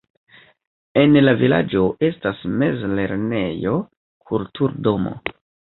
En la vilaĝo estas mezlernejo, kulturdomo.